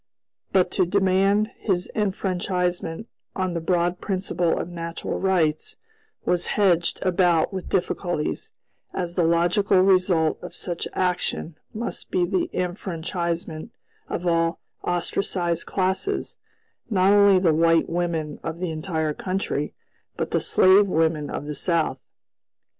But to demand his enfranchisement on the broad principle of natural rights was hedged about with difficulties, as the logical result of such action must be the enfranchisement of all ostracized classes; not only the white women of the entire country, but the slave women of the South.